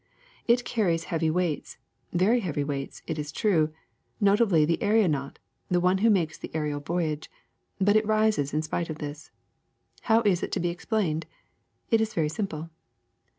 *^It carries heavy weights, very heavy weights, it is true, notably the aeronaut, the one who makes the aerial voyage ; but it rises in spite of this. How is it to be explained! It is very simple.